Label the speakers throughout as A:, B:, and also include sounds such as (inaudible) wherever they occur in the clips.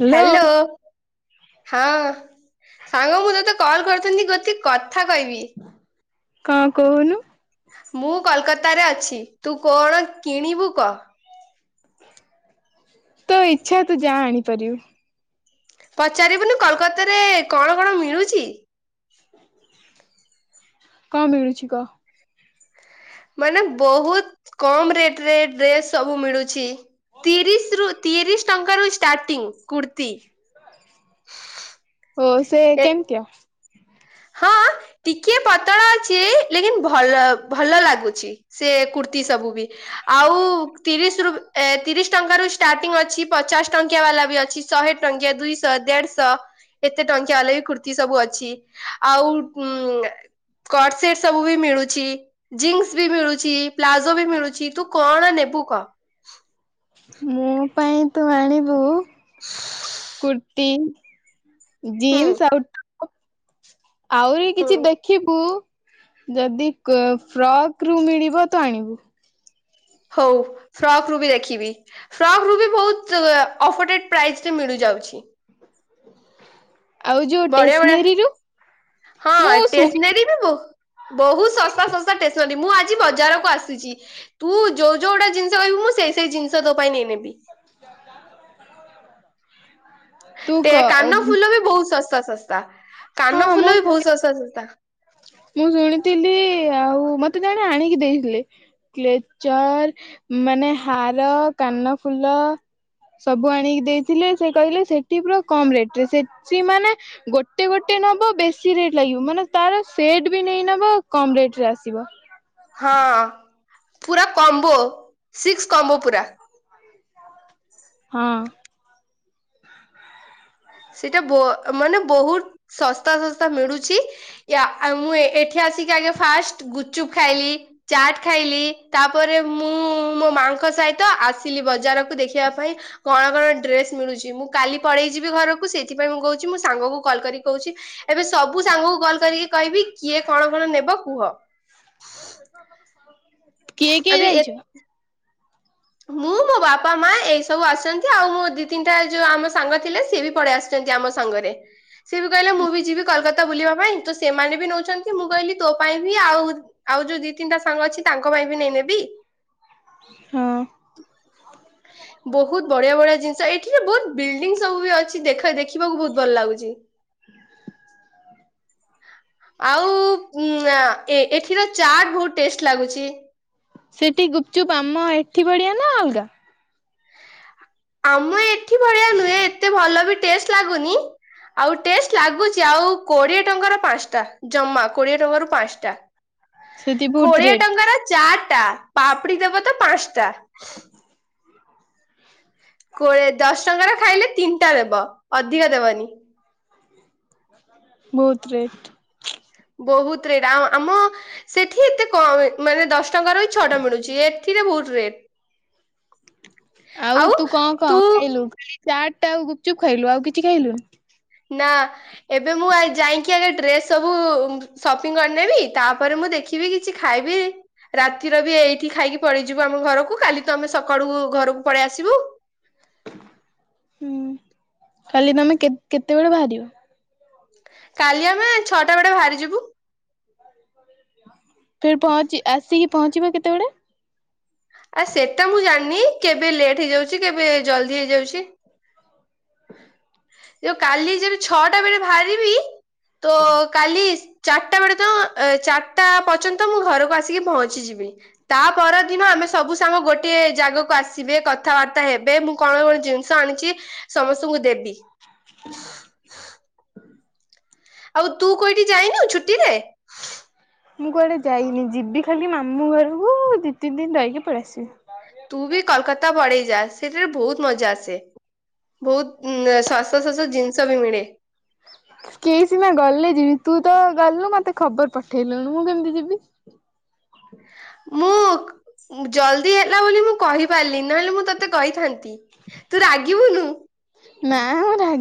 A: Hello
B: hello. ହଁ ସାଙ୍ଗ ମୁଁ ତତେ କଲ କରିଥିଲି ଗୋଟେ କଥା କହିବି।
A: କଣ କହୁନୁ?
B: ମୁଁ କୋଲକତାରେ ଅଛି ତୁ କଣ କିଣିବୁ କହ?
A: ତୋ ଇଚ୍ଛା ତୁ ଯାହା ଆଣିପାରିବୁ।
B: ପଚାରିବୁନି କୋଲକତାରେ କଣ କଣ ମିଳୁଛି?
A: କଣ ମିଳୁଛି କହ?
B: ମାନେ ବହୁତ କମ୍ ରେଟ ରେ ଡ୍ରେସ୍ ସବୁ ମିଳୁଛି। ତିରିଶ ରୁ ତିରିଶ ଟଙ୍କାରୁ ଷ୍ଟାର୍ଟିଂ କୂର୍ତ୍ତି।
A: ଓ ସେ
B: ଏ
A: କେମିତିଆ?
B: ହଁ ଟିକିଏ ପତଳା ଅଛି ଲେକିନ୍ ଭଲ ଭଲ ଲାଗୁଛି। ସେ କୁର୍ତ୍ତିୀ ସବୁ ବି ଆଉ ତିରିଶ ରୁ ଏ ତିରିଶ ଟଙ୍କାରୁ ଷ୍ଟାର୍ଟିଂ ଅଛି ପଚାଶ ଟଙ୍କିଆ ବାଲା ବି ଅଛି ଶହେ ଟଙ୍କିଆ ଦୁଇଶହ ଦେଢଶହ ଏତେ ଟଙ୍କିଆ ବାଲା ବି ଖୁର୍ତ୍ତିୀ ସବୁ ଅଛି ଆଉ ଉ ସ୍କଟ ସେଟ ସବୁ ବି ମିଳୁଛି ଜିନ୍ସ ବି ମିଳୁଛି ପ୍ଲାଜୋ ବି ମିଳୁଛି ତୁ କଣ ନେବୁ? ବୁ କହ?
A: ମୋ ପାଇଁ ତୁ ଆଣିବୁ କୁର୍ତ୍ତୀ।
B: ହୁଁ
A: ଜିନ୍ସ ଆଉ ଆହୁରି
B: ହୁଁ
A: କିଛି ଦେଖିବୁ ଯଦି ଫ୍ରକ୍ ରୁ ମିଳିବ ତ ଆଣିବୁ।
B: ହଉ ଫ୍ରକ୍ ରୁ ବି ଦେଖିବି ଫ୍ରକ୍ ରୁ ବି ବହୁତ ଅଫଟେଟ ପ୍ରାଇଜରେ ମିଳିଯାଉଛି। ଯାଉଛି।
A: ଆଉ ଯୋଉ
B: ବଢିଆ ବଢିଆ
A: ଟେସନେରୀରୁ
B: ହଁ
A: ମୁଁ ଶୁଣି
B: ଟେସନାରୀବି ବହୁତ। ବହୁତ ଶସ୍ତା ଶସ୍ତା ଷ୍ଟେସନାରୀ ମୁଁ ଆଜି ବଜାରକୁ ଆସିୁଛି ତୁ ଯୋଉ ଯୋଉ ଗୁଟା ଜିନିଷ କହିବୁ ମୁଁ ମୁଁ ସେଇ ସେଇ ଜିନିଷ ତୋ ପାଇଁ ନେଇ ନେବି।
A: (inaudible) ତୁ
B: ଟ
A: କ
B: କାନ ଫୁଲ ବି ବହୁତ ଶସ୍ତା ଶସ୍ତା କାନ
A: ହଁ ମୁଁ
B: ଫୁଲ ବି ବହୁତ ଶସ୍ତା ଶସ୍ତା।
A: ମୁଁ ଶୁଣିଥିଲି ଆଉ ମତେ ଜଣେ ଆଣିକି ଦେଇଥିଲେ। ଲେକ୍ଚର ମାନେ ହାର, କାନ ଫୁଲ ସବୁ ଆଣିକି ଦେଇଥିଲେ ସେ କହିଲେ ସେଠି ପୁରା କମ ରେଟ ରେ ସେଠି ମାନେ ଗୋଟେ ଗୋଟେ ନ ବେଶ ରେଟ ଲାଗିବ ମାନେ ତାର ସେଟ ବି ନେଇ ନ କମ ରେଟ ରେ ଆସିବ।
B: ହଁ ପୁରା କମ୍ବୋ ସିକ୍ସ କମ୍ବୋ ପୁରା
A: ହଁ।
B: ସେଇଟା ମାନେ ବହୁତ ଶସ୍ତା ଶସ୍ତା ମିଳୁଛି ମୁଁ ଏଠି ଆ ଫା ଗୁଚୁପ ଖାଇଲି ଚାଟ ଖାଇଲି ତାପରେ ମୁଁ ମୋ ମାସ ସହିତ ଆସିଲି ବଜାରକୁ ଦେଖିବା ପାଇଁ କଣ କଣ ଡ୍ରେସ୍ ମିଳୁଛି ମୁଁ କାଲି ପଳେଇ ଯିବି ଘରକୁ। ସେଇଥିପାଇଁ ମୁଁ କହୁଛି ମୁଁ ସାଙ୍ଗ କ କଲ୍ କରି କହୁଛି ଏବେ ସବୁ ସାଙ୍ଗ କ କଲ୍ କରିକି କହିବି କିଏ କଣ କଣ ନେବ କୁହ?
A: କିଏ କିଏ
B: ଏବେ
A: ଯାଇଛ?
B: ମୁଁ, ମୋ ବାପା, ମା ଏଇ ସବୁ ଆସିଛନ୍ତି ଆଉ ମୋ ଦି ତିନିଟା ଯୋଉ ଆମ ସାଙ୍ଗ ଥିଲେ ସିଏ ବି ପଳେଇ ଆସିଛନ୍ତି। ଆମ ସାଙ୍ଗରେ ସିଏ ବି କହିଲେ ମୁଁ ବି ଯିବି କୋଲକାତା ବୁଲିବା ପାଇଁ ତ ସେମାନେ ବି ନଉଛନ୍ତି ମୁଁ କହିଲି ତୋ ପାଇଁ ବି ଆଉ ଆଉ ଯୋଉ ଦି ତିନିଟା ସାଙ୍ଗ ଅଛି ତାଙ୍କ ପାଇଁ ବି ନେଇ ନେବି।
A: ହଁ।
B: ବୋହୁତ୍ ବଢ଼ିଆ ବଢି଼ଆ ଜିନିଷ ଏଠି ବି ବୋହୁତ୍ ବିଲ୍ ଡିଙ୍ଗ ସବୁ ବି ଅଛି ଦେଖ ଦେ ଖିବାକୁ ବୋହୁତ୍ ଭଲ ଲାଗୁଛି। ଆଉ ଉମ୍ ଆଁ ଏଠିର ଚାଟ୍ ବୋହୁତ୍ ଟେଷ୍ଟ୍ ଲାଗୁଛି।
A: ସେଠି ଗୁପ୍ ଚୁପ୍ ଆମ ଏଠି ବଢ଼ିଆ ନା ଅଲଗା?
B: ଆମ ଏଠି ଭଳିଆ ନୁହେଁ ଏତେ ଭଲ ବି ଟେଷ୍ଟ୍ ଲାଗୁନି। ଆଉ ଟେଷ୍ଟ୍ ଲାଗୁଛି ଆଉ କୋଡିଏ ଟଙ୍କାର ପାଁସ୍ ଟା ଜମା କୋଡିଏ ଟଙ୍କାରୁ ପାଁସ୍ ଟା।
A: ସେଠି ବହୁତ
B: କୋଡ଼ିଏ
A: ରେଟ୍।
B: ଟଙ୍କାର ଚାଟ୍ ଟା ପାପଡ଼ି ଦବ ତ ପାଁସ୍ ଟା। କୋଡି଼ଏ ଦଶ୍ ଟଙ୍କାର ଖାଇଲେ ତିନିଟା ଦେବ ଅଧିକ ଦେବନି।
A: ବୋହୁତ୍ ରେଟ୍।
B: ବୋହୁତ୍ ରେଟ୍ ଆ-ଆମ ସେଠି ଏତେ କମେ ମାନେ ଦଶ୍ ଟଙ୍କାର ବି ଛଅଟା ମିଳୁଛି। ଏଠିରେ ବୋହୁତ୍ ରେଟ୍।
A: ଆଉ ତୁ କଣ କଣ ଖାଇଲୁ ଖାଲି ଚାଟ୍ ଆଉ ଗୁପ୍ ଚୁପ୍ ଖାଇଲୁ ଆଉ କିଛି ଖାଇଲୁ?
B: ନା ଏବେ ମୁଁ ଯାଇକି ଆ ଡ୍ରେସ୍ ସବୁ ସପିଂ କରିନେବି ତାପରେ ମୁଁ ଦେ ଦେଖିବି କିଛି ଖାଇବି। ରାତିର ବି ଏଇଠି ଖାଇକି ପଳେଇଯିବୁ ଆମ ଘରକୁ କାଲି ତ ଆମେ ସକାଳୁ ଘରକୁ ପଳେଇ ଆସିବୁ।
A: ହୁଁ କାଲି ତମେ କେ-କେତେବେଳେ ବାହାରିବ
B: କାଲି ଆମେ ଛଅଟା ବେଳେ ବାହାରିଯିବୁ।
A: ତମେ ପହଚି ଆସିକି ପହଞ୍ଚିବ କେତେବେଳେ?
B: ଆ ସେଟା ମୁଁ ଜାଣିନି କେବେ ଲେଟ୍ ହେଇଯାଉଛି କେବେ ଜଲଦି ହେଇଯାଉଛି।
A: ହଁ
B: ଯୋଉ କାଲି ଯେବେ ଛଅଟା ବେଳେ ବାହାରିବି ତ କାଲି ଚାରିଟା ବେଳେ ତ ଚାରିଟା ପର୍ଯ୍ୟନ୍ତ ମୁଁ ଘରକୁ ଆସିକି ପହଞ୍ଚିଯିବି ବି ତାପର ଦିନ ଆମେ ସବୁ ସାଙ୍ଗ ଗୋଟିଏ ଜାଗାକୁ ଆସିବେ କଥାବାର୍ତ୍ତା ହେବେ ମୁଁ କଣ (unintelligible) ଜିନିଷ ଆଣିଛି ସମସ୍ତଙ୍କୁ ଦେବି।
A: (unintelligible)
B: ଆଉ ତୁ କଇଟି ଯାଇନୁ ଛୁଟିରେ?
A: ମୁଁ କୁଆଡେ ଯାଇନି ଯିବି ଖାଲି ମାମୁଁ ଘରକୁ ଦି ତିନି ଦିନ୍ ରହିକି ପଳେଇ ଆସିବି।
B: ତୁ ବି କଲ୍ କତା ପଡେ଼ଇ ଯା ସେଠାରେ ବୋହୁତ୍ ମଜା ଆସେ। ବୋହୁତ୍ ଉଁ ଶସ ଶସ ଜିନିଷ ବି ମିଳେ।
A: କେହି ସିନା ଗଲେ ଯିବି ତୁ ତ ଗଲୁ ମତେ ଖବର ପଠେଇଲୁଣୁ ମୁଁ କେମିତି ଯିବି?
B: ହଁ ମୁଁ ଜଲଦି ହେଲା ବୋଲି ମୁଁ କହିପାରିଲିନି ନହେଲେ ମୁଁ ତତେ କହିଥାନ୍ ତି ତୁ ରାଗିବୁନୁ।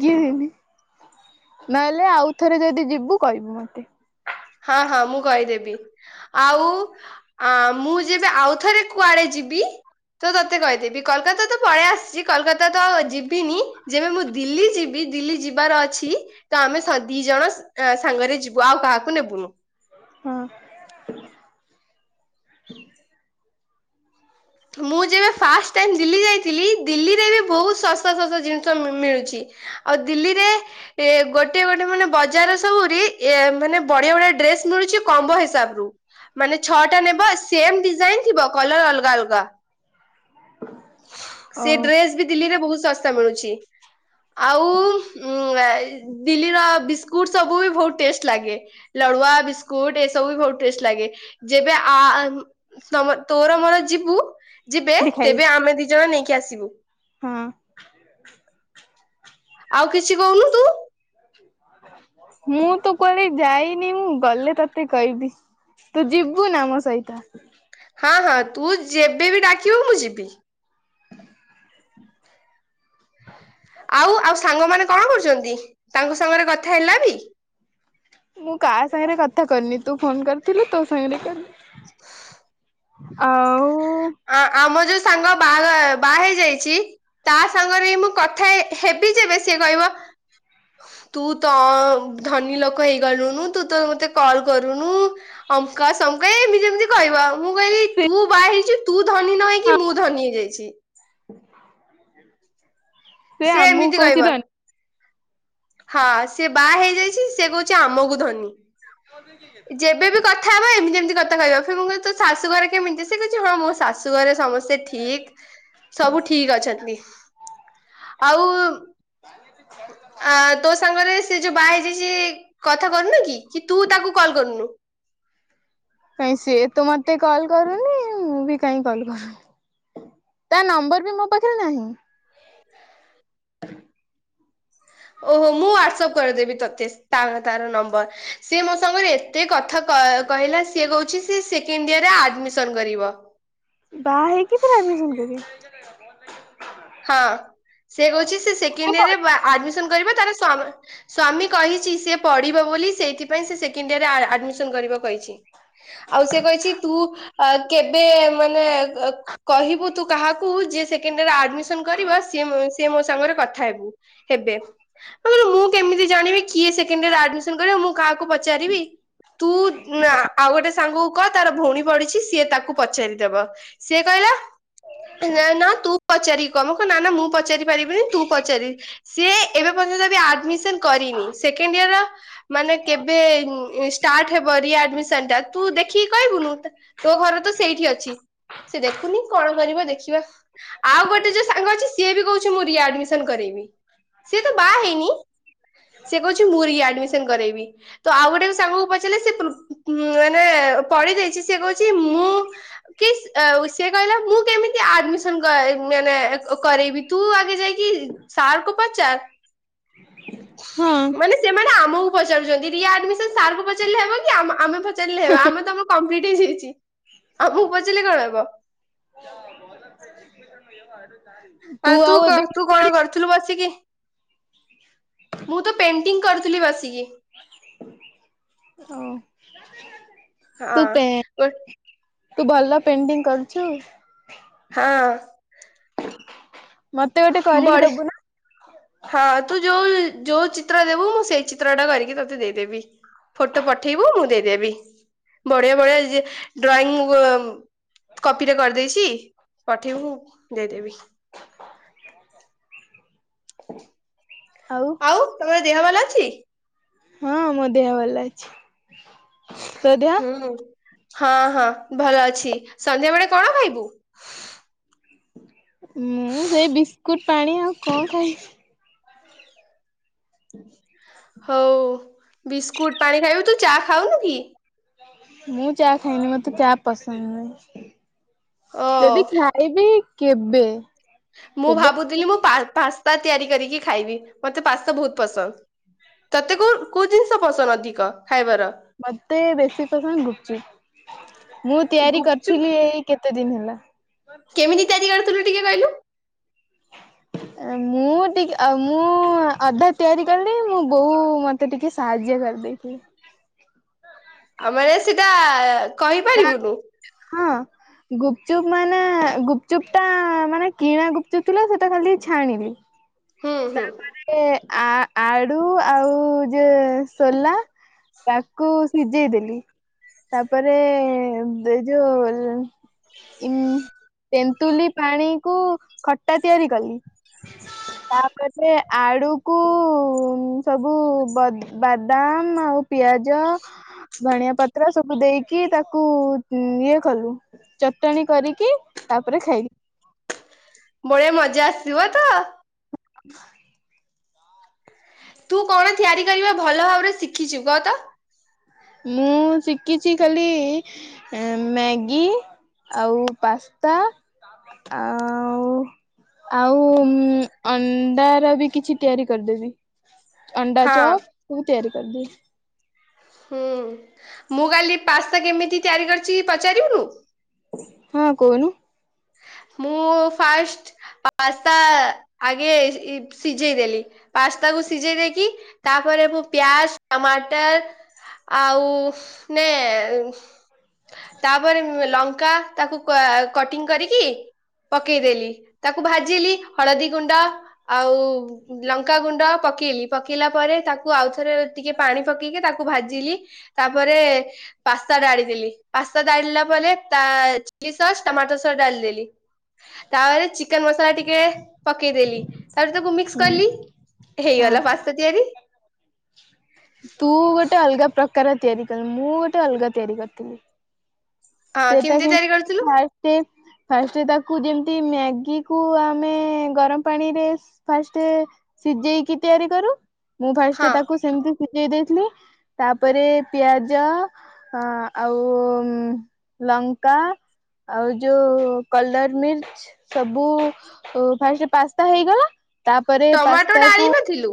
A: ଗିଁ ହିଁ ହିଁ ନହେଲେ ଆଉ ଥରେ ଯଦି ଯିବୁ କହିବୁ ମତେ।
B: ହଁ ହଁ ମୁଁ କହିଦେବି। ଆଉ ଆଁ ମୁଁ ଯେବେ ଆଉଥରେ କୁଆଡେ ଯିବି ତ ତତେ କହିଦେବି କଲ୍ କତା ତ ପଳେଇ ଆସିଛି କଲ୍ କତା ତ ଅ ଯିବିନି ଯେବେ ମୁଁ ଦିଲ୍ଲୀ ଯିବି ଦିଲ୍ଲୀ ଯିବାର ଅଛି ତ ଆମେ ସ ଦି ଜଣ ଆଁ ସାଙ୍ଗରେ ଯିବୁ ଆଉ କାହାକୁ ନେବୁ
A: ହଁ।
B: ମୁଁ ଯେବେ ଫାଷ୍ଟ୍ ଟାଇମ୍ ଦିଲ୍ଲୀ ଯାଇଥିଲି। ଦିଲ୍ଲୀରେ ବି ବୋହୁତ୍ ଶସ୍ତା ଶସ୍ତା ଜିନିଷ ମିଳୁଛି। ଆଉ ଦିଲ୍ଲୀରେ ଏ ଗୋଟିଏ ଗୋଟିଏ ମାନେ ବଜାର ସବୁରି ମାନେ ବଢ଼ିଆ ବଢ଼ିଆ ଡ୍ରେସ୍ ମିଳୁଛି କମ୍ବୋ ହିସାବ୍ ରୁ ମାନେ ଛଅଟା ନେବ ସେମ୍ ଡିଜାଇନ୍ ଥିବ କଲର ଅଲଗା ଅଲ୍ ଗା
A: ଓ
B: ସେ ଡ୍ରେସ୍ ବି ଦିଲ୍ଲୀରେ ବୋହୁତ୍ ସ୍ ଶସ୍ତା ମିଳୁଛି ଆଉ
A: ହ
B: ଆଇ ଦିଲ୍ଲୀର ବିସ୍କୁଟ୍ ସବୁ ବି ବୋହୁତ୍ ଟେଷ୍ଟ୍ ଲାଗେ ଲଡ଼୍ବା ବିସ୍କୁଟ୍ ଏ ସବୁ ବି ବୋହୁତ୍ ଟେ ଷ୍ଟ୍ ଲାଗେ ଯେବେ ଆ-ଆ ତମ ତୋର ମୋର ଯିବୁ ଯିବେ
A: ସେଠି ଖାଇବି
B: ତେବେ ଆମେ ଦି ଜଣ ନେଇକି ଆସିବୁ।
A: ହଁ।
B: ଆଉ କିଛି କହୁନୁ ତୁ
A: ମୁଁ ତ କୁଆଡେ ଯାଇନି ମୁଁ ଗଲେ ତତେ କହିବି। ତୁ ଯିବୁ ନା ମୋ ସହିତ?
B: ହଁ ହଁ ତୁ ଯେବେ ବି ଡାକିବୁ ମୁଁ ଯିବି।
A: ହ
B: ଆଉ ଆଉ ସାଙ୍ଗ ମାନେ କଣ କରୁଛନ୍ତି? ତାଙ୍କ ସାଙ୍ଗରେ କଥା ହେଲା ବି?
A: ମୁଁ କାହା ସାଙ୍ଗରେ କଥା କରିନି ତୁ ଫୋନ କରିଥିଲୁ ତୋ ସାଙ୍ଗରେ କଲି।
B: ଫୁ
A: ଆଉ?
B: ଆ ଆମ ଯୋଉ ସାଙ୍ଗ ବାହାଘର ବା ହେଇଯାଇଛି ତା ସାଙ୍ଗରେ ମୁଁ କଥା ହେ ହେବି ଯେବେ ସିଏ କହିବ ହ ତୁ ତ ଧନୀ ଲୋକ ହେଇଗଲୁନୁ ତୁ ତ ମତେ କଲ୍ କରୁନୁ ଅମକା ସ ମୁ କହେ ଏମି ଯେମିତି କହିବ ଆଉ। ମୁଁ କହିଲି
A: ସେ
B: ତୁ ବାହେଇଛୁ ତୁ ଧନୀ ନ ହେଇକି
A: ହଁ
B: ମୁଁ ଧନୀ ହେଇଯାଇଛି
A: ସେ ଆମକୁ
B: ଏମିତି
A: କହୁଛି
B: କହିବ
A: ଧନ
B: ହଁ ସେ ବାହା ହେଇଯାଇଛି ସେ କହୁଛି ଆମକୁ ଧନୀ। ଯେବେବି କଥା ହେବା ଏମିତି ଏମିତି କଥା କହିବା ଫମ ଶାଶୁ ଘରେ କେମିତି ସେ କିଛି ହଁ ମୋ ଶାଶୁ ଘରେ ସମସ୍ତେ ସେ ଠିକ ସବୁ ଠିକ ଅଛନ୍ତି। ଆଉ ଆ ତୋ ସାଙ୍ଗରେ ସେ ଯୋଉ ବାହା ହେଇଯାଇଛି କଥା କରୁନୁ କି କି ତୁ ତାକୁ କଲ୍ କରୁନୁ?
A: କାହିଁ ସିଏ ତ ମତେ କଲ୍ କରୁନି। ମୁଁ ବି କାହିଁ କଲ୍ କରୁନି। ତା ନମ୍ବର ବି ମୋ ପାଖରେ ନାହିଁ।
B: ଓହୋ ମୁଁ ହ୍ଵାଟସଆପ୍ କରିଦେବି ତତେ ତାର ନମ୍ବର ସିଏ ମୋ ସାଙ୍ଗରେ ଏତେ କଥା କ କହିଲା ସିଏ କହୁଛି ସେକଣ୍ଡ ଇଅରରେ ଆଡମିସନ କରିବ।
A: ବାହା ହେଇକି ପୁଣି ଆଡମିଶନ୍ କରିବ?
B: ହଁ ସେ କହୁଛି ସେ ସେକେଣ୍ଡ ଇଅରରେ ବା ଆଡ଼ମିଶନ ମିଶନ କରିବ ତାର ସ୍ଵାମୀ ସ୍ଵାମୀ କହିଛି ସିଏ ପଢିବ ବୋଲି ସେଇଥିପାଇଁ ସିଏ ସେକେଣ୍ଡ ଇଅର‌‌‌ ରେ ଆଡ଼ମିଶନ କରି କରିବ କହିଛି ଆଉ ସେ କହିଛି ତୁ ଅ କେବେ ମାନେ ଏ କହିବୁ ତୁ କାହାକୁ ଯିଏ ସେକେଣ୍ଡ ଇଅର ଆଡ଼ମିଶନ ଯିଏ ଆଡ଼ମିଶନ କରିବ ସିଏ ମୋ ସହିତ ସେ ମୋ ସାଙ୍ଗରେ କଥା ହେବୁ ହେବେ। ନହେଲେ ମୁଁ କେମୀତି ଜାଣିବି କିଏ ସେକେଣ୍ଡ ଇଅର ଆଡ଼ମିଶନ କରିବ ମୁଁ କାହାକୁ ପଚାରିବି ତୁ ଆ ଆଉ ଗୋଟେ ସାଙ୍ଗକୁ କହ ତାର ଭଉଣୀ ପଢିଛି। ସିଏ ତାକୁ ପଚାରିଦବ ସିଏ କହିଲା ନା ନା ତୁ ପଚାରିକି କଇମ୍ କ ନା ନା ମୁଁ ପଚାରି ପାରିବିନି ତୁ ପଚାରେ ସିଏ ଏବେ ପର୍ଯ୍ୟନ୍ତବି ଆଡମିସନ୍ କରିନି। ସେକେଣ୍ଡ ଇଅର ମାନେ କେବେ ଷ୍ଟାର୍ଟ ହେବ ରି ଆଡମିଶନ୍ ଟା ତୁ ଦେଖ ଦେଖିକି କହିବୁନୁ ତୋ ଘରେ ତ ସେଇଠି ଅଛି। ସେ ଦେଖୁନି କଣ କରିବ ଦେଖିବା ଆଉ ଗୋଟେ ଯେ ସାଙ୍ଗ ଅଛି ସିଏ ବି କହୁଛି ମୁଁ ରିଆଡମିସନ କରିବି। ସିଏ ତ ବାହା ହେଇନି ସେ କହୁଛି ମୁଁ ରିଆଡମିସନ କରାଇବି ତ ଆଉ ଗୋଟେ ସାଙ୍ଗକୁ ପଚାରିଲେ ସେ ପୁ ମାନେ ପଢି ଦେଇଛି ସେ କହୁଛି ମୁଁ କି କହିଲା ମୁଁ କେମିତି ଆଡମିନ କ ମାନେ କ୍ କ କରେଇବି ତୁ ଆଗେ ଯାଇକି ସାର୍ ଙ୍କୁ ପାଚାର
A: ହଁ
B: ମାନେ ସେମାନେ ଆମ ଆମକୁ ପଚାରୁଛନ୍ତି ରିଆଡମିସନ୍ ସାର୍ ଙ୍କୁ ପଚାରିଲେ ହେବ କି ଆମ ଆମେ ପଚାରିଲେ ହେବ ଆମେ ତ୍ କଂପ୍ଲିଟ୍ ହେଇସାରିଛି। ଆମକୁ ପଚାରିଲେ କଣ ହବ? ଆଉ ତୁ କହ ତୁ କଣ କରୁଥିଲୁ ବସିକି? ମୁଁ ତ ପେଣ୍ଟିଂ କରିଥିଲି ବସିକି।
A: ଓ।
B: ହଁ ବ (unintelligible)
A: ତୁ ଭଲ ପେଣ୍ଟିଂ କରୁଛୁ?
B: ହଁ।
A: ମତେ ଗୋଟେ କରିକି
B: ବଢି
A: ଦବୁ ନା?
B: ହଁ ତୁ ଯୋଉ, ଯୋଉ ଚିତ୍ର ଦେବୁ ମୁଁ ସେଇ ଚିତ୍ର ଟା କରିକି ତୋତେ ଦେଇଦେବି। ଫଟୋ ପଠେଇବୁ ମୁଁ ଦେଇଦେବି, ବଢିଆ ବଢିଆ ଡ୍ରଇଂ କପିରେ କରିଦେଇଛି, ପଠେଇବି ମୁ ଦେଇଦେବି। ଆଉ ତମର ଦେହ ଭଲ ଅଛି?
A: ହଁମୋ ଦେହ ଭଲ ଅଛି, ତୋ ଦେହ?
B: ହୁଁ। ହଁ ହଁ ଭଲ ଅଛି, ସନ୍ଧ୍ୟା ବେଳେ କଣ ଖାଇବୁ?
A: ମୁଁ ସେଇ ବିସ୍କୁଟ ପାଣି, ଆଉ କଣ ଖାଇବି? ହୁଁ (unintelligible)
B: ହଉ ବିସ୍କୁଟ ପାଣି ଖାଇବୁ ତୁ ଚା ଖାଉନୁ କି?
A: ମୁଁ ଚା ଖାଇନି, ମତେ ଚା ପସନ୍ଦ
B: ଓ
A: ନୁହେଁ। ଯଦି ଖାଇବି କେବେ?
B: ମୁଁ
A: କେବେ
B: ଭାବୁଥିଲି, ମୁଁ ପାସ୍ତା ତିଆରି କରିକି ଖାଇବି, ମତେ ପାସ୍ତା ବହୁତ ପସନ୍ଦ। ତତେ କୋଉ, କୋଉ ଜିନିଷ ପସନ୍ଦ ଅଧିକ? ଖାଇବାର?
A: ମତେ ବେଶି ସମୟ ଗୁପଚୁପ ମୁଁ ତିଆରି
B: ଗୁପଚୁପ୍
A: କରିଥିଲି, ଏଇ କେତେ ଦିନ ହେଲା।
B: କେମିତି ତିଆରି କରିଥିଲୁ ଟିକେ କହିଲୁ?
A: ମୁଁ ଟିକେ, ମୁଁ ଅଧା ତିଆରି କଲି ମୁଁ ବୋଉ ମତେ ଟିକେ ସାହାଯ୍ୟ ଘ ଦେଇଛି (unintelligible)
B: ଆଉ ମାନେ ସେଟା
A: ନା
B: କହିପାରିବୁନୁ?
A: ଗୁପଚୁପ୍ ମାନେ, ଗୁପଚୁପ୍ ଟା ମାନେ କିଣା ଗୁପଚୁପ ଥିଲା, ସେଟା ଖାଲି ଟିକେ ଛାଣିଲି। ହଁ (inaudible)
B: ହୁଁ ହୁଁ।
A: ଆ ଆଳୁ ଆଉ ଯ ସୋଲା ତାକୁ ସିଝେଇଦଲି ତାପରେ ଦେଇ ଯ ଉ ତେନ୍ତୁଲି ପାଣି କୁ ଖଟା ତିଆରି କଲି।
B: ହଁ (inaudible)
A: ତାପରେ ଆଡୁକୁ ସବୁ ବାଦାମ ଆଉ ପିଆଜ ଧଣିଆ ପତ୍ର ସବୁ ଦେଇକି ତାକୁ ଇଏ କଲୁ। ଚଟଣି କରିକି ତାପରେ ଖାଇଲି।
B: ବଢଆ ମଜା ଆସିଥିବ ତ?
A: (inaudible)
B: ତୁ କଣ ତିଆରି କରିବା ଭଲ ଭାବରେ ଶିଖିଛୁ, କହ ତ?
A: ମୁଁ ଶିଖିଛି ଖାଲି ମ୍ୟାଗି। ଆଉ ପାସ୍ତା, ଆଉ ଆଉ ଅଣ୍ଡା ର ବି କିଛି ତିଆରି କରିଦେବି। ଅଣ୍ଡା
B: ହଁ
A: ଚପ, ସବୁ ତିଆରି କରି ଦେବି।
B: ହୁଁ, ମୁଁ କାଲି ପାସ୍ତା କେମିତି ତିଆରି କରିଛି ପଚାରିବୁନୁ?
A: ହଁ କହନୁ।
B: ହା। (unintelligible) ମୁଁ ଫାଷ୍ଟ ପାସ୍ତା ଆଗେ ସିଝେଇ ଦେଲି ପାସ୍ତା କୁ ସିଝେଇ ଦେଇକି ତାପରେ ମୁଁ ପ୍ୟାଜ, ଟମାଟର ଆଉ ନେ ତାପରେ ଲଙ୍କା ତାକୁ କଟିଂ କରି କି (unintelligible) ପକେଇଦଲି, ତାକୁ ଭାଜିଲି, ହଳଦୀ ଗୁଣ୍ଡ ଆଉ ଲଙ୍କା ଗୁଣ୍ଡ ପକେ ପକେଇଲି ପକେଇଲା ପରେ ତାକୁ ଆଉଥରେ ଟିକେ ପାଣି ପକେଇକି ତାକୁ ଭାଜିଲି ତାପରେ। ପାସ୍ତା ଡାଳି ଦେଲି ପାସ୍ତା ଡାଳିଲା ପରେ ତା ଚିଲି ସସ୍ ଟମାଟୋ ସସ୍ ଡାଳିିଲି। ତାପରେ ଚିକେନ ମସଲା ଟିକେ ପକେଇଦେଲି। ତାପରେ ତାକୁ ମିକ୍ସ
A: ହଁ
B: କଲି
A: ହଁ।
B: ହେଇଗଲା ପାସ୍ତା ତିଆରି।
A: ତୁ ଗୋଟେ ଅଲଗା ପ୍ରକାର ତିଆରି କଲୁ ମୁଁ ଗୋଟେ ଅଲଗା ତିଆରି କରିଥିଲି।
B: ହଁ
A: ସେଟା
B: କେମିତି
A: ମୁଁ
B: ତିଆରି କରିଥିଲୁ
A: ଫାଷ୍ଟେ। ଫାଷ୍ଟ ତାକୁ ଯେମିତି ମ୍ୟାଗି କୁ ଆମେ ଗରମ ପାଣିରେ ଫାଷ୍ଟ। ସିଝେଇକି ତିଆରି କରୁ ମୁଁ ଫାଷ୍ଟ
B: ହଁ
A: ତାକୁ ସେମିତି। ସିଜେଇ ଦେଇଥିଲି ତାପରେ ପିଆଜ ଆଉ ଉଁ। ଲଙ୍କା। ଆଉ ଯୋଉ କଲର ମିର୍ଚ ସବୁ ଫାଷ୍ଟ ପାସ୍ତା ହେଇଗଲା। ତାପରେ
B: ଟମାଟୋ
A: ପାସ୍ତା
B: ଡାଳି
A: କୁ।
B: ନଥିଲୁ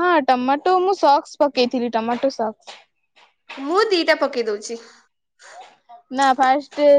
A: ହଁ ଟମାଟୋ ମୁଁ ସକ୍ସ ପକେଇଥିଲି ଟମାଟୋ ସକ୍ସ।
B: ମୁଁ ଦିଟା ପକେଇ ଦଉଛି।
A: ନା ଫାଷ୍ଟେ।